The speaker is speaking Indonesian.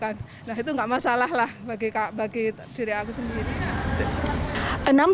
nah itu nggak masalah lah bagi diri aku sendiri